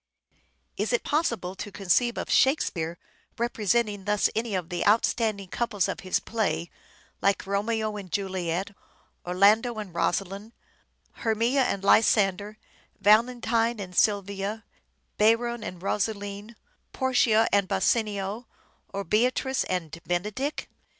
Is it possible to conceive of " Shakespeare " representing thus any of the outstanding couples of his plays, like Romeo and Juliet, Orlando and Rosalind, Hermia and Lysander, Valentine and Sylvia, Berowne and Rosaline, Portia and Bassanio, or Beatrice and Benedick